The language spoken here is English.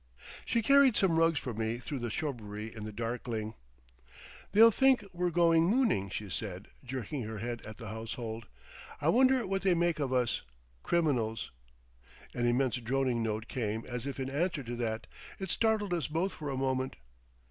She carried some rugs for me through the shrubbery in the darkling. "They'll think we're going mooning," she said, jerking her head at the household. "I wonder what they make of us—criminals." ... An immense droning note came as if in answer to that. It startled us both for a moment.